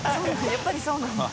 やっぱりそうなんだ。